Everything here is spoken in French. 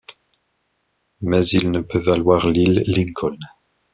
Mais il ne peut valoir l’île Lincoln!